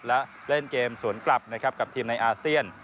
และเล่นเกมสวนกลับนะครับกับทีมในอาเซียน